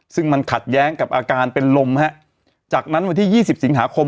ซึ่งมันขัดแย้งกับอาการเป็นลมฮะจากนั้นวันที่ยี่สิบสิงหาคม